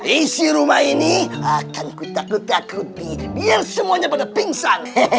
isi rumah ini akan kutak kutak kutik biar semuanya pada pingsan